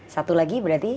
satu lagi berarti